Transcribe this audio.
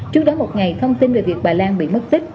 trước đó một ngày thông tin về việc bà lan bị mất tích